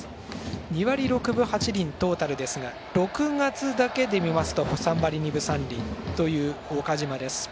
２割６分８厘、トータルですが６月だけで見ると３割２分３厘という岡島です。